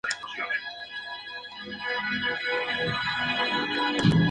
La princesa hacía tiempo que sufría de la lepra.